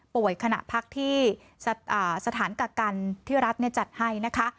ขณะพักที่สถานกักกันที่รัฐจัดให้นะคะ